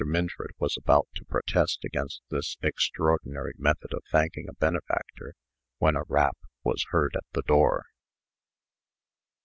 Minford was about to protest against this extraordinary method of thanking a benefactor, when a rap was heard at the door.